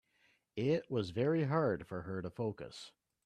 It was very hard for her to focus.